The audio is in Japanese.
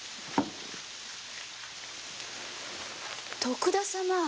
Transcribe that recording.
徳田様？